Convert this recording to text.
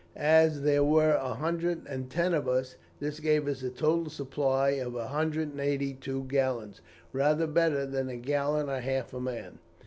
As there were a hundred and ten of us, this gave a total supply of a hundred and eighty two gallons; rather better than a gallon and a half a man.